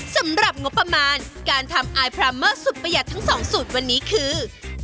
สำหรับงบประมาณการทำอายพราเมอร์สุดประหยัดทั้งสองสูตรวันนี้คือ